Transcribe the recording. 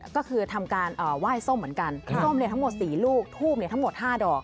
ก็คือทำการไหว้ส้มเหมือนกันส้มทั้งหมด๔ลูกทูบทั้งหมด๕ดอก